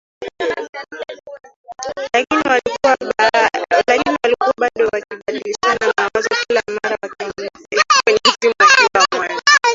Lakini walikuwa bado wakibadilishana mawazo kila mara wakiongea kwenye simu akiwa Mwanza